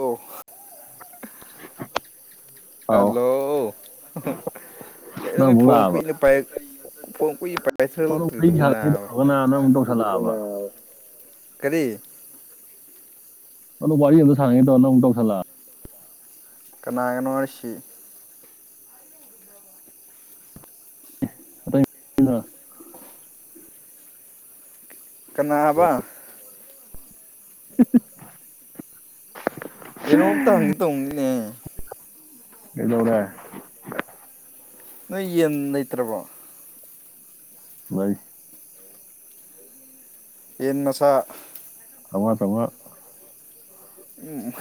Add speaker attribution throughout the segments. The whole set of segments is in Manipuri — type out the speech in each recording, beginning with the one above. Speaker 1: ꯑꯣ
Speaker 2: [inaudible] ꯑꯧ
Speaker 1: ꯍꯜꯂꯣꯃꯤ
Speaker 2: ꯅꯪ ꯑꯃꯨꯛ
Speaker 1: ꯐꯣꯟꯣꯟ ꯀꯅ ꯄꯥꯏ ꯐ ꯀꯏ
Speaker 2: ꯍꯂꯣ ꯐꯒꯅꯅ ꯇꯧꯁꯂꯕ
Speaker 1: ꯀꯔꯤ
Speaker 2: ꯑꯗꯨ ꯋꯥꯔꯤ ꯋꯥꯔꯤꯗ ꯁꯥꯡꯉꯦ ꯇꯅ ꯑꯃꯨ ꯇꯧꯁꯜꯂ
Speaker 1: ꯀꯅꯥꯒꯅꯣꯋꯥꯁꯤ
Speaker 2: [inaudible]
Speaker 1: ꯀꯅꯥꯕ
Speaker 2: [inaudible]
Speaker 1: ꯀꯩꯅꯣꯝꯇ ꯍꯪꯉꯤ ꯇꯣꯡꯅꯤꯅꯦ
Speaker 2: ꯏꯗꯧꯔ
Speaker 1: ꯅꯣꯏ ꯌꯦꯟ ꯂꯩꯇ꯭ꯔꯕꯣ
Speaker 2: [inaudible]
Speaker 1: ꯌꯦꯟ ꯃꯁꯥ
Speaker 2: ꯑꯋꯥ ꯇꯃ
Speaker 1: ꯎꯝ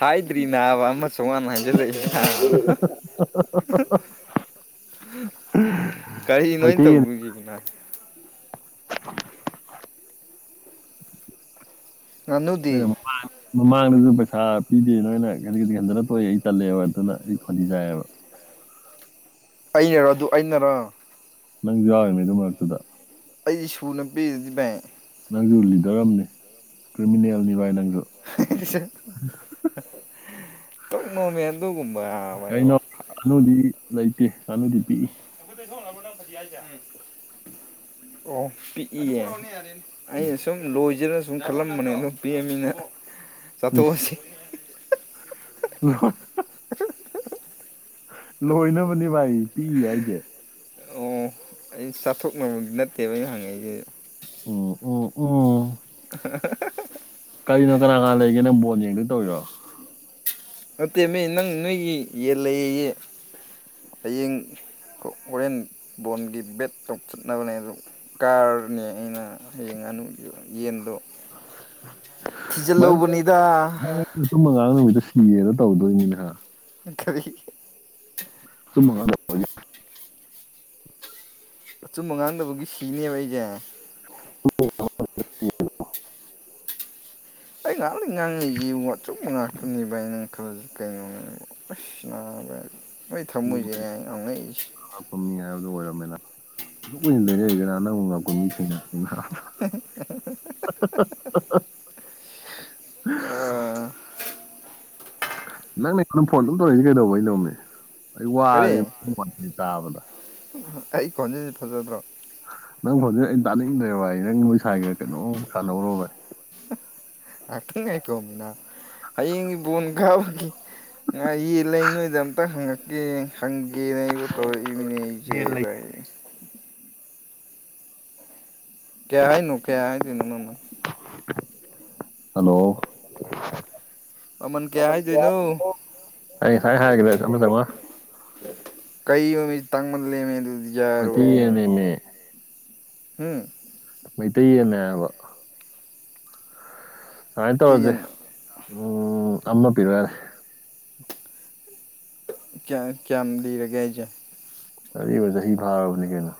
Speaker 1: ꯍꯥꯏꯗ꯭ꯔꯤꯅꯦꯕ ꯑꯃꯁ ꯆ
Speaker 2: [inaudible]
Speaker 1: ꯎ ꯀꯔꯤ ꯅꯣꯏ
Speaker 2: ꯃꯩꯇꯩ
Speaker 1: ꯇꯧꯕꯤꯈꯤꯕꯅ ꯉꯅꯨꯗꯤ
Speaker 2: ꯅꯣꯏꯅ ꯃꯃꯥꯡꯗꯁꯨ ꯄꯩꯁꯥ ꯄꯤꯗꯦ ꯅꯣꯏꯅ ꯈꯗꯤꯒꯗꯤ ꯈꯟꯊꯅ ꯇꯣꯛꯑꯦ ꯑꯩ ꯇꯜꯂꯦꯕ ꯑꯗꯨꯅ ꯑꯩ ꯈꯣꯟꯊꯖꯥꯏꯑꯕ
Speaker 1: ꯑꯩꯅꯔ ꯑꯗꯨ ꯑꯩꯅꯔ
Speaker 2: ꯅꯪꯁꯨ ꯌꯥꯎꯔꯤꯅꯦ ꯑꯗꯨ ꯃꯔꯛꯇꯨꯗ
Speaker 1: ꯑꯩꯁꯤ ꯁꯨꯅ ꯄꯤꯔꯤꯗꯤ ꯕꯦꯡ
Speaker 2: ꯅꯪꯁꯨ ꯂꯤꯗꯔ ꯑꯃꯅꯤ ꯀ꯭ꯔꯤꯃꯤꯅꯦꯜꯅꯤꯚꯥꯏ ꯅꯪ
Speaker 1: ꯇꯣꯛꯅꯣꯝꯃꯦ ꯑꯗꯨꯒꯨꯝꯕ ꯃ
Speaker 2: ꯀꯩꯅꯣ ꯉꯥꯅꯨꯗꯤ ꯂꯩꯇꯦ ꯅꯂꯨꯗꯤ ꯄꯤꯛꯏ
Speaker 1: ꯑꯣ ꯑ ꯁꯨꯝ ꯂꯣꯖ ꯁꯨꯝ ꯈꯜꯂꯝꯕꯅꯦ ꯑꯗꯨꯝ ꯄꯤꯑꯃꯤꯅ
Speaker 2: ꯎ ꯂꯣꯏꯅꯕꯅꯦ ꯚꯥꯏ ꯄꯤꯛꯌꯦ ꯑꯩꯁꯦ
Speaker 1: ꯑꯣ ꯑꯩ ꯆꯥꯊꯣꯛꯅꯕꯗꯤ ꯅꯠꯇꯦꯕ ꯑꯩꯅ ꯍꯪꯉꯛꯏꯁꯦ
Speaker 2: ꯑꯣ ꯑꯣ ꯑꯣ
Speaker 1: [unintelligible]
Speaker 2: ꯀꯔꯤꯅꯣ ꯀꯅꯥ ꯀꯅꯥ ꯂꯩꯒꯦ ꯅꯪ ꯕꯣꯟ ꯌꯦꯡꯗꯣꯏ ꯇꯧꯔꯤꯔꯣ
Speaker 1: ꯑꯠꯇꯦ ꯃꯤ ꯅꯪ ꯅꯣꯏꯒꯤ ꯌꯦ ꯂꯩꯦ ꯍꯌꯦꯡ ꯍꯣꯔꯦꯟ ꯕꯣꯟꯒꯤ ꯕꯦꯠꯇ ꯇ ꯆꯠꯅꯕꯅꯦ ꯑꯗꯨ ꯀꯥꯔꯅꯦ ꯑꯩꯅ ꯍꯌꯦꯡ ꯉꯅꯨ ꯌꯦꯟꯗꯣ
Speaker 2: ꯃꯥꯅ
Speaker 1: ꯊꯤꯖꯤꯜꯍꯧꯕꯅꯤꯗ
Speaker 2: ꯏꯤꯗ ꯇꯧꯗꯣꯏꯅꯤꯅ
Speaker 1: ꯀꯔꯤ
Speaker 2: [unintelligible]
Speaker 1: ꯑꯆꯨꯝꯕ ꯉꯥꯡꯗꯕꯒꯤ ꯐꯤꯅꯦꯕ ꯑꯩꯁꯦ
Speaker 2: [unintelligible]
Speaker 1: ꯑꯩ ꯉꯥꯏꯍꯥꯛ ꯂꯩ ꯉꯥꯡꯉꯛ ꯏꯖꯤ ꯋꯥ ꯆꯨꯝ ꯉꯥꯛꯇꯅꯤ ꯕꯥꯏ ꯅꯪ ꯈꯂꯖ ꯀꯩ ꯑꯣꯁꯅꯕ ꯑꯩꯏ ꯊꯝꯃꯣꯏꯁꯦ
Speaker 2: ꯉꯥꯛꯄꯝꯃꯤ
Speaker 1: ꯌꯥꯝ ꯉꯛꯏꯁ‌ꯦ
Speaker 2: [unintelligible] ꯑꯁꯨꯛ ꯀꯨꯏꯅ ꯂꯩꯔꯛ ꯏꯁꯤ ꯅꯪꯕꯨ ꯉꯥꯛꯄ ꯃꯤ ꯊꯦꯡꯅꯗ꯭ꯔꯤ ꯅꯪꯅꯦ ꯑꯩꯉꯣꯟ ꯐꯣꯟ ꯑꯗꯨꯝ ꯇꯧꯔꯤꯛꯏꯁꯦ ꯀꯩꯗꯧꯕꯩꯅ‌ꯣꯃ‌ꯦ ꯑꯩ
Speaker 1: ꯀꯔꯤ
Speaker 2: ꯋꯥꯔꯦ‌ [unintelligible] ꯇꯥꯕꯗ
Speaker 1: ꯑꯩ ꯈꯣꯟꯖꯦꯜꯁꯦ ꯐꯖꯗ꯭ꯔꯣ
Speaker 2: ꯍꯧꯖꯤꯛ ꯑꯩꯅ ꯇꯥꯅꯤꯡ ꯗ꯭ꯔ‌ꯦ ꯑꯩ ꯅꯪ ꯅ‌ꯣꯏ ꯁꯥꯏꯒ ꯀꯩꯅꯣꯝ ꯁꯅꯧꯔ‌ꯦ ꯚꯥꯏ
Speaker 1: ꯉꯥꯛꯇꯪ ꯉꯥꯏꯈ‌ꯣ ꯃꯤꯅ ꯍꯌꯦꯡꯒꯤ ꯕꯣꯟ ꯀꯥꯎꯕꯈꯤ ꯉꯥ ꯌꯦ ꯂꯩ ꯅꯣꯏꯗ ꯑꯝꯇ ꯍꯪꯉꯛꯀ ꯒꯤ ꯍꯪ ꯒꯤꯅ ꯀꯠꯇ ꯏ ꯃꯤꯅꯦꯗꯥꯏ ꯊꯀꯦꯍ ꯍꯥꯏ ꯅꯣꯡꯈꯩꯍ ꯍꯥꯏ ꯆꯩꯅꯣ ꯃ
Speaker 2: ꯍꯜꯂꯣ
Speaker 1: ꯃꯃꯜ ꯀꯌꯥ ꯍꯥꯏꯗꯣꯏꯅꯣ
Speaker 2: ꯑꯩ ꯉꯥꯏ ꯍꯥꯏꯒꯗꯃ
Speaker 1: ꯀꯩ ꯑꯣꯏ ꯃꯤ ꯇꯪꯕꯗ ꯂꯩꯦꯝꯃꯦ ꯑꯗꯨ
Speaker 2: ꯃꯊꯅꯅꯦ
Speaker 1: ꯎꯝ
Speaker 2: ꯃꯩꯇꯩꯅꯦꯕ ꯁꯨꯃꯥꯏꯅ
Speaker 1: ꯃꯩꯇꯩ
Speaker 2: ꯇꯧꯔꯁꯦ
Speaker 1: ꯌꯦꯟ
Speaker 2: ꯎꯝ ꯑꯃ ꯄꯤꯔꯣ ꯌꯥꯔꯦ
Speaker 1: ꯀꯌꯥ ꯀꯌꯥꯝ ꯂꯤꯔꯒꯦ ꯑꯩꯁꯦ
Speaker 2: ꯑꯔꯤꯕ ꯆꯍꯤ ꯐꯥꯔꯕꯅꯤ ꯀꯩꯅ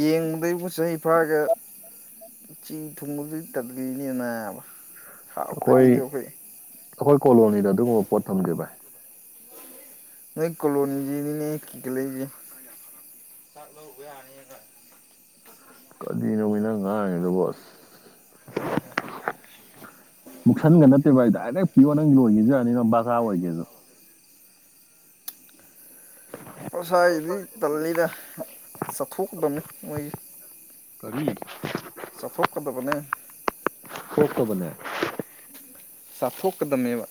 Speaker 1: ꯌꯦꯡꯕꯗꯩꯕꯨ ꯆꯍꯤ ꯐꯥꯒ ꯆꯤ ꯊꯨꯡꯕꯗꯨ ꯇꯠꯂꯤꯅꯦ ꯅꯥꯕ
Speaker 2: ꯑꯩꯈꯣꯏ
Speaker 1: ꯍꯥꯎꯛꯇꯕꯤꯗꯤꯈꯩ
Speaker 2: ꯑꯩꯈꯣꯏ ꯀꯣꯂꯣꯅꯤꯗ ꯑꯗꯨꯒꯨꯝꯕ ꯄꯣꯠ ꯊꯝꯒꯦ ꯚꯥꯏ
Speaker 1: ꯅ ꯀꯂꯣꯅꯤꯒꯤꯅꯤꯅꯦ ꯏꯒꯂ
Speaker 2: ꯀꯔꯤꯅꯣꯃꯤꯠꯅꯪ ꯉꯥꯡꯉꯦꯗꯕꯣꯁ ꯃꯨꯛꯁꯟꯒ ꯅꯠꯇꯦꯕꯚ ꯑꯩ ꯗꯥꯏꯔꯦꯛ ꯄꯤꯌꯣ ꯅꯪ ꯂꯣꯏꯈꯤꯁꯤ ꯌꯥꯅꯤꯅ ꯕꯥꯀꯥ ꯑꯣꯏꯒꯦꯁꯨ
Speaker 1: ꯄ꯭ꯔꯁꯗꯤ ꯇꯜꯅꯤꯗ ꯆꯠꯊꯣꯛꯀꯗꯕꯅꯤ ꯃꯣꯏꯒꯤ
Speaker 2: ꯀꯔꯤ
Speaker 1: ꯆꯐꯣꯛ ꯀꯗꯕꯅꯤ
Speaker 2: ꯊꯣꯛꯇꯕꯅꯦ
Speaker 1: ꯆꯥꯊꯣꯛꯀꯗꯝꯅꯦꯕ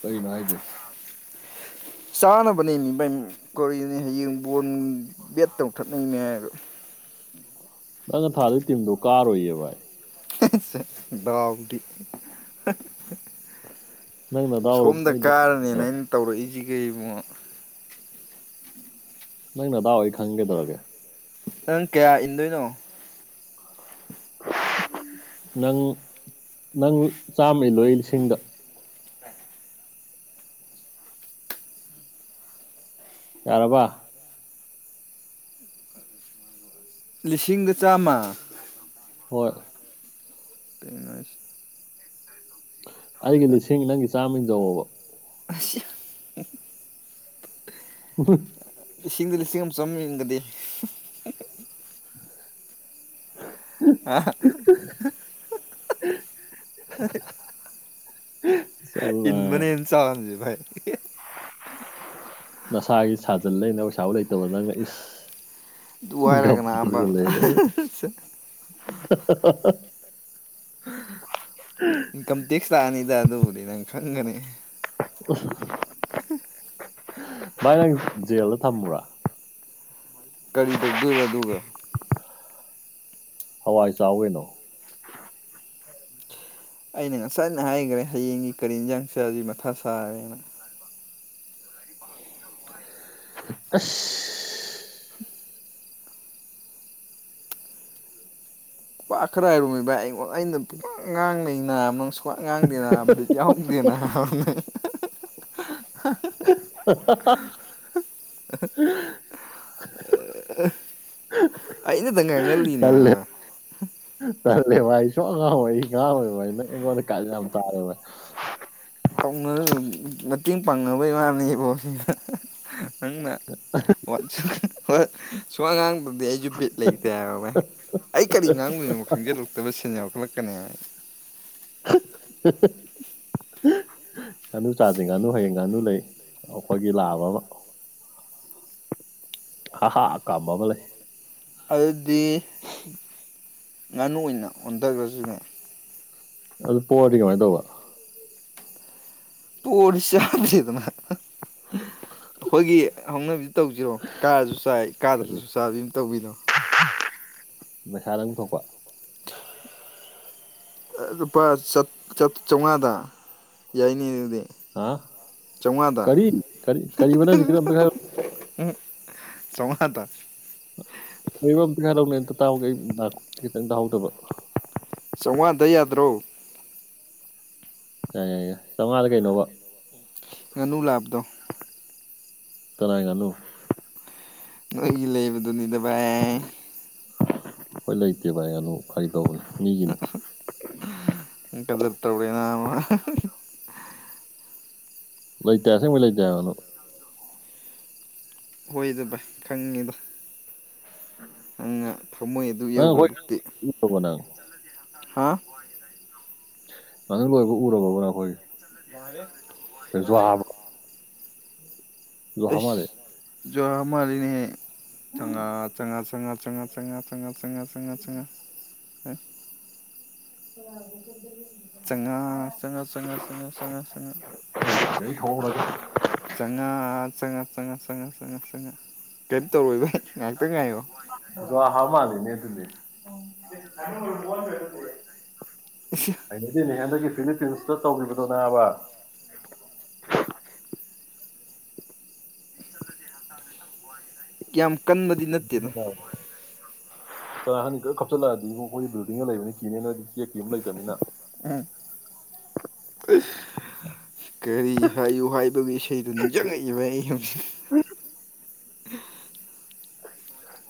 Speaker 2: ꯀꯔꯤ ꯅꯥ ꯍꯥꯏꯗ
Speaker 1: ꯆꯥꯅꯕꯅꯦ ꯃꯤꯃ ꯀꯧꯔꯤꯅꯤ ꯍꯌꯦꯡ ꯕꯣꯜ ꯕꯦꯠ ꯇꯧꯊꯛꯅꯅꯦ ꯍꯥꯏꯕ
Speaker 2: ꯅꯪꯅ ꯊꯥꯗꯩ ꯇꯤꯟꯝꯗꯣ ꯀꯥꯔꯣꯏꯌꯦ ꯚꯥꯏ
Speaker 1: ꯗꯤ
Speaker 2: ꯅꯪ ꯅꯗꯥꯎꯗꯣ
Speaker 1: ꯁꯣꯝꯗ
Speaker 2: ꯑꯩꯅ
Speaker 1: ꯀꯥꯔꯅꯦꯅ
Speaker 2: ꯈꯪꯒꯗꯧꯔꯒꯦ
Speaker 1: ꯑꯩꯅ ꯇꯧꯔꯛꯏꯁꯤ ꯀꯕꯨ
Speaker 2: ꯅꯪꯅꯗꯥ ꯍꯣꯏ ꯈꯪꯒꯦ ꯇꯧꯔꯒꯦ
Speaker 1: ꯅꯪ ꯀꯌꯥ ꯏꯟꯗꯣꯏꯅꯣ
Speaker 2: ꯅꯪ ꯅꯪ ꯆꯥꯝꯃ ꯏ ꯂꯣꯏ ꯑꯩ ꯂꯤꯁꯤꯡꯗ ꯌꯥꯔꯕꯥ
Speaker 1: ꯂꯤꯁꯤꯡꯒ ꯆꯥꯝꯃ
Speaker 2: ꯍꯣꯏ
Speaker 1: ꯄꯉ
Speaker 2: ꯑꯩꯒꯤ ꯂꯤꯁꯤꯡ ꯅꯪꯒꯤ ꯆꯥꯝꯃ ꯗꯕ
Speaker 1: ꯑ
Speaker 2: ꯎꯣꯏ
Speaker 1: ꯏꯁꯤꯡꯗ ꯂꯤꯁꯤꯡ ꯑꯃ ꯆꯝꯕꯤꯒꯗꯤ ꯑꯥ ꯏꯟꯃꯅꯦꯟ
Speaker 2: ꯆꯠꯂꯣꯅ
Speaker 1: ꯆꯖꯥꯏ ꯑꯣ
Speaker 2: ꯅꯁꯥꯒꯤ ꯁꯥꯖꯜ ꯂꯩꯅ ꯄꯩꯁꯥꯕꯨ ꯂꯩꯇꯕꯗ ꯅꯪꯅ ꯏꯁ ꯒꯞ
Speaker 1: ꯋꯥꯥꯏꯔꯒ ꯑꯕ
Speaker 2: ꯇꯧꯁꯜꯂꯦ
Speaker 1: ꯏꯟꯀꯝ ꯇꯦꯛꯁ ꯇꯥꯅꯤꯗ ꯑꯗꯨ ꯎꯗꯤ ꯅꯪ ꯈꯪꯒꯅꯤ
Speaker 2: ꯀꯁ
Speaker 1: [unintelligible]
Speaker 2: ꯥꯏ ꯅꯪ ꯖꯦꯜꯗ ꯊꯝꯃ꯭ꯔꯥ
Speaker 1: ꯀꯔꯤ ꯇꯧꯗꯣꯏꯕ ꯑꯗꯨꯒ
Speaker 2: ꯍꯋꯥꯏ ꯆꯥꯎꯋꯅꯣ
Speaker 1: ꯑꯩꯅ ꯉꯁꯥꯏ ꯑꯅ ꯍꯥꯏꯈ꯭ꯔꯦ ꯍꯌꯦꯡꯒꯤ ꯀꯔꯤ ꯌꯦꯟꯁꯥꯡ ꯆꯁꯤ ꯃꯊꯥ ꯁꯥꯔꯦꯅ
Speaker 2: ꯑꯁ
Speaker 1: ꯑꯈꯔꯔꯨꯃꯤꯕ ꯑꯩꯅ ꯄꯨ ꯉꯥꯡꯅ ꯃ ꯀ꯭ꯋꯥꯛ ꯉꯥꯡꯗꯦꯅ ꯕꯤꯠ ꯌꯥꯎꯍꯧꯗꯦꯅ ꯍꯥꯏꯕꯅꯦ [inaudible] [unintelligible]
Speaker 2: ꯑ ꯍ
Speaker 1: ꯑꯩꯅꯇ ꯉꯥꯡꯍꯜꯂꯤ
Speaker 2: [inaudible] ꯇꯂ
Speaker 1: ꯅꯥꯕ
Speaker 2: ꯇꯜꯂꯦꯕꯚ ꯑꯩ ꯁ ꯑꯉꯥꯡ ꯑꯣꯏ ꯑꯩ ꯉꯥꯡꯦꯕ ꯚꯥꯏ ꯅꯪ ꯑꯩꯉꯣꯟꯗ ꯀꯥꯏꯂ ꯌꯥꯝ ꯇꯥꯔꯦꯕꯚ
Speaker 1: ꯃꯇꯦꯡ ꯄꯥꯡꯅꯕ ꯏꯃꯅꯦꯕꯣꯅ ꯅꯪꯅ ꯋꯥꯠꯁꯨ ꯁꯨꯃꯉꯥꯡ ꯑꯗꯨꯗꯤ ꯑꯩꯁꯨ ꯕꯤꯠ ꯂꯩꯇꯦ ꯑꯩ ꯀꯔꯤ ꯉꯥꯡꯗꯣꯏꯅꯣ ꯈꯪꯖꯤꯜꯂꯛꯇꯕ ꯁꯦꯟꯖꯈꯠꯂꯛꯇ ꯀ
Speaker 2: ꯉꯥꯅꯨ ꯆꯥꯖ ꯉꯥꯅꯨ ꯍꯌꯦꯡ ꯉꯥꯅꯨ ꯂꯩ ꯑꯩꯈꯣꯏꯒꯤ ꯂꯥꯛꯑꯕ ꯑꯃ ꯑ ꯍꯥꯥ ꯀꯥꯕꯥꯕꯂꯦ
Speaker 1: ꯑꯗꯨꯗꯤ ꯉꯥꯅꯨ ꯑꯣꯏꯅ ꯑꯣꯟꯊꯈ꯭ꯔꯁꯨꯅꯦ
Speaker 2: ꯑꯗꯨ ꯄꯑꯗꯤ ꯀꯃꯥꯏꯅ ꯇꯧꯕ
Speaker 1: ꯇꯣꯠ ꯆꯗꯗꯅ ꯑꯩꯈꯣꯏꯒꯤ ꯍꯧꯅꯕꯤꯗꯤ ꯇꯧꯁꯤꯔꯣ ꯀꯥꯔꯁꯨ ꯆꯥꯏ
Speaker 2: ꯀꯔꯤ
Speaker 1: ꯀꯥꯗ꯭ꯔꯁꯨ ꯆꯥꯕ ꯑꯗꯨꯝ ꯇꯧꯕꯤꯅꯣ
Speaker 2: ꯃꯩꯁꯥꯗꯪ ꯊꯣꯛꯄ
Speaker 1: ꯂꯨꯄꯥ ꯆꯥꯝꯃꯉꯥꯗ ꯌꯥꯏꯅꯤ ꯑꯗꯨꯗꯤ
Speaker 2: ꯑꯥ
Speaker 1: ꯆꯥꯝꯃꯉꯥꯗ
Speaker 2: ꯀꯔꯤ ꯀꯔꯤ ꯀꯔꯤꯔ
Speaker 1: ꯆꯃꯥꯇ
Speaker 2: ꯂꯩꯕ ꯑꯝꯇ ꯈ ꯂꯧꯅ ꯑꯝꯇ ꯇꯥꯎꯍꯒꯦ ꯑꯩ ꯈꯤꯇꯪ ꯇꯥꯍꯧꯗꯕ
Speaker 1: ꯆꯥꯃꯉꯥꯗ ꯌꯥꯗ꯭ꯔꯣ
Speaker 2: ꯌꯥꯏ ꯌꯥꯏ ꯌꯥꯏ ꯆꯥꯝꯃꯉꯥꯗ ꯀꯩꯅꯣꯕ
Speaker 1: ꯉꯅꯨ ꯂꯥꯕꯗꯣ
Speaker 2: ꯇꯥꯏꯦꯒꯂꯨ
Speaker 1: ꯅꯣꯏꯒꯤ ꯂꯩꯕꯗꯨꯅꯤꯗ ꯚꯥꯏ
Speaker 2: ꯍꯣꯏ ꯂꯩꯇꯦ ꯚꯥꯏ ꯑꯗꯨꯅ ꯐ
Speaker 1: ꯏ ꯀꯗꯔ ꯇꯕꯅ [unintelligible]
Speaker 2: ꯂꯣꯏ ꯇꯌꯥꯁꯦꯕꯨ ꯂꯩꯇ ꯋꯥꯅ
Speaker 1: ꯍꯣꯏꯗ ꯚꯥꯏ ꯈꯪꯉꯤꯗꯣ ꯅꯪꯅ ꯊꯝꯃꯣꯏ ꯑꯗꯨ
Speaker 2: ꯅꯪ ꯑꯩꯈꯣꯏ
Speaker 1: ꯌꯧꯈ꯭ꯔꯕꯛꯇꯤ
Speaker 2: ꯎꯔꯕꯣ ꯅꯪ
Speaker 1: ꯍꯥ
Speaker 2: ꯅꯗꯪ ꯂꯣꯏꯕ ꯎꯔꯕꯕꯅ ꯑꯩꯈꯣꯏ
Speaker 1: ꯃꯥꯔꯣ [unintelligible]
Speaker 2: ꯖꯨꯍꯥ
Speaker 1: ꯑꯦꯅꯦ
Speaker 2: ꯃꯥꯜꯂꯦ
Speaker 1: ꯆ ꯆꯪꯒꯥ ꯆꯪ ꯆꯪꯉꯥ ꯇꯦꯡꯉꯥ ꯇꯉ ꯆꯉꯥ ꯆꯉꯥ ꯆꯉꯥ ꯑꯦ
Speaker 2: ꯍꯒ ꯀꯗ
Speaker 1: ꯆꯉ ꯆ ꯆꯉ ꯆꯪꯉ ꯆꯪꯉ
Speaker 2: ꯁꯤꯗꯩ ꯊꯣꯛꯍꯧꯔꯒ
Speaker 1: ꯆꯪꯉ ꯆꯪꯉ ꯆꯪꯉꯥ ꯀꯔꯤꯝ ꯇꯧꯔꯣꯏ ꯚ
Speaker 2: ꯍꯥꯃꯗ ꯅꯇ ꯅ ꯃ ꯄꯔꯦ ꯍꯥꯏꯗꯅꯦ ꯍꯗꯗꯒꯤ ꯐꯤꯅꯤꯄꯤꯤꯡꯁꯇ ꯇꯧꯈꯤꯕꯗꯣꯅꯦꯕ
Speaker 1: ꯌꯥꯝ ꯀꯟꯕꯗꯤ ꯅꯠꯇꯦꯅ
Speaker 2: ꯀꯔꯥ ꯍꯥꯟꯅꯤ ꯈꯔ ꯀꯞꯆꯤꯜꯂꯛꯑꯗꯤ ꯏ ꯑꯩꯈꯣꯏꯒꯤ ꯕꯤꯜꯗꯤꯡꯒ ꯂꯩꯕꯅꯤ ꯀꯤꯅꯦ ꯅꯣꯏꯗꯤ ꯆꯦꯛ ꯀꯤ ꯑꯃ ꯂꯩꯇꯕꯅꯤꯅ
Speaker 1: ꯎꯝ ꯀꯔꯤ ꯍꯥꯏꯌꯨ ꯍꯥꯏ ꯑꯗꯨꯒꯤ ꯏꯁꯩꯗꯨ ꯅꯤꯡꯁꯤꯡꯉꯛꯏꯕ ꯑꯩ ꯍꯧꯖꯤꯛ ꯎ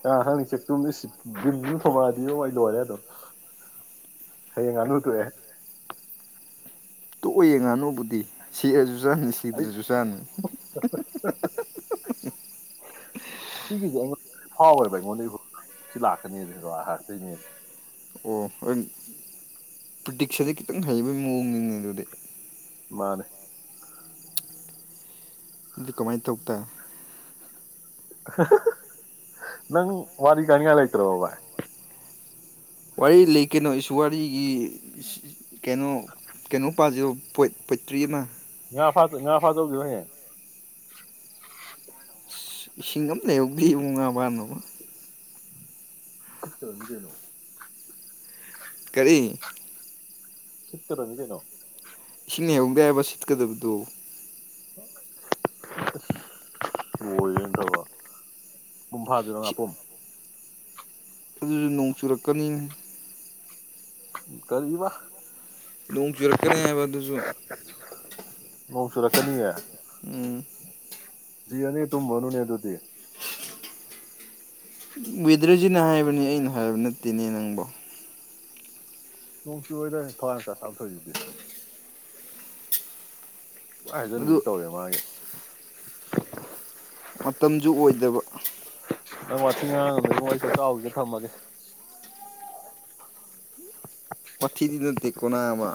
Speaker 2: ꯑ ꯍꯪꯉꯛꯆꯦ ꯇꯨꯝꯃꯤꯁꯤ ꯝꯨꯝ ꯊꯣꯃꯛꯑꯗꯤ ꯌ ꯑꯩ ꯂꯣꯏꯔꯦ ꯑꯗꯨꯝ ꯍꯌꯦꯡ ꯉꯥꯡꯗ ꯊꯣꯛꯣꯛꯑꯦ
Speaker 1: ꯇꯣꯛꯑ ꯌꯦ ꯉꯥꯅꯨꯕꯨꯗꯤ ꯁꯤꯁꯨ ꯆꯨꯁꯥꯟꯅꯤ
Speaker 2: ꯑꯩ
Speaker 1: ꯁꯤꯗ꯭ꯔꯦ ꯆꯨꯁꯥꯟꯅꯤ
Speaker 2: ꯁꯤꯒꯤꯁꯦ ꯑꯩꯉꯣꯟꯗ ꯐꯥꯎꯋꯦꯕ ꯑꯩꯉꯣꯟꯗ ꯑꯩ ꯁꯤ ꯂꯥꯛꯀꯅꯦꯔꯇꯣꯏꯅꯦꯁꯦ
Speaker 1: ꯑꯣ ꯍ ꯄ꯭ꯇꯛꯁꯗꯤ ꯈꯤꯇꯪ ꯍꯩꯕꯒꯤ ꯃꯑꯣꯡ ꯉꯦ ꯑꯗꯨꯗꯤ
Speaker 2: ꯃꯥꯅꯦ
Speaker 1: ꯑꯗꯨꯗꯤ ꯀꯃꯥꯏꯅ ꯇꯧ ꯇꯥꯏ
Speaker 2: ꯅꯪ ꯋꯥꯔꯤ ꯀꯅꯤꯉꯥꯏ ꯂꯩꯇ꯭ꯔꯕꯣ ꯕꯥꯏ
Speaker 1: ꯋꯥꯔꯤ ꯂꯩ ꯀꯩꯅꯣꯁꯨ ꯋꯥꯔꯤꯒꯤ ꯀꯩꯅꯣ ꯀꯩꯅꯣ ꯄꯥꯖꯕ ꯄꯠ ꯄꯣꯏꯇ꯭ꯔꯤ ꯑꯃ
Speaker 2: ꯉꯥꯐ ꯉꯥꯐ ꯆꯠꯂꯨꯖꯤꯔꯣ ꯍꯌꯦꯡ
Speaker 1: ꯏꯁꯤꯡ ꯑꯝ ꯂꯩꯌꯧꯗꯦ ꯏꯕꯨꯡꯉꯣ ꯉꯥꯕꯅꯕ
Speaker 2: ꯏꯁꯤꯠꯇꯣꯏꯅꯤ ꯀꯩꯅꯣ
Speaker 1: ꯀꯔꯤ
Speaker 2: ꯁꯤꯠꯀꯗꯝꯅꯤ ꯀꯩꯅꯣ
Speaker 1: ꯏꯁꯤꯡ ꯍꯩꯍꯧꯗꯦ ꯍꯥꯏꯕ ꯁꯤꯠꯀꯗꯕꯗꯣ
Speaker 2: ꯍ ꯑꯁ ꯂꯣꯏꯔꯦꯅꯦ ꯊꯕꯛ ꯄꯨꯝ ꯐꯥꯁꯤꯔꯣ ꯉꯥꯄꯨꯝ
Speaker 1: ꯑꯗꯨꯁꯨ ꯅꯣꯡ ꯆꯨꯔꯛꯀꯅꯤ
Speaker 2: ꯀꯔꯤ ꯋꯥ
Speaker 1: ꯅꯣꯡ ꯆꯨꯔꯛꯀꯅꯤ ꯍꯥꯏꯕ ꯑꯗꯨꯁꯨ
Speaker 2: ꯅꯣꯡ ꯆꯨꯔꯛꯀꯅꯤꯌꯦ
Speaker 1: ꯎꯝ
Speaker 2: ꯖꯤ ꯑꯅꯤ ꯇꯨꯝꯃꯨꯔꯅꯨꯌꯦꯗꯨꯗꯤ
Speaker 1: ꯋꯤꯗ꯭ꯔꯖꯤꯅ ꯍꯥꯏꯕꯅꯤ ꯑꯩꯅ ꯍꯥꯏꯕ ꯅꯠꯇꯦꯅꯦ ꯅꯪꯕꯣ
Speaker 2: ꯅꯣꯡ ꯆꯨꯑꯣꯏꯗ ꯊꯋꯥꯟ ꯃꯤꯆꯥꯛ ꯑꯁꯨꯛꯌꯝ ꯊꯣꯛꯏꯁꯤꯗꯤ ꯄꯨꯡꯍꯥꯏ
Speaker 1: ꯑꯗꯨ
Speaker 2: ꯍꯥꯏꯖꯟꯕꯤꯗꯣ ꯇꯧꯋꯦ ꯃꯥꯒꯤ [unintelligible]
Speaker 1: ꯃꯇꯝꯁꯨꯨ ꯑꯣꯏꯗꯕ ꯑ
Speaker 2: ꯅꯪ ꯋꯥꯊꯤ ꯉꯥꯡꯉꯅꯨ ꯏꯕꯨꯡꯉꯣ ꯑꯩ ꯆꯥꯛ ꯆꯥꯎꯒꯤꯒꯦ ꯊꯝꯃꯒꯦ
Speaker 1: ꯄꯥꯊꯤꯗꯤ ꯅꯠꯇꯦꯀꯣ ꯅꯕꯥ